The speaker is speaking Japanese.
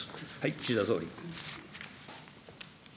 岸田総理。